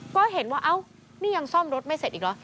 ก็เห็นว่าเอ้านี่ยังซ่อมรถไม่เสร็จอีกเหรอ